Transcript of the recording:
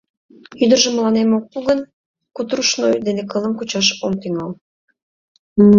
— Ӱдыржым мыланем ок пу гын, катурушной дене кылым кучаш ом тӱҥал.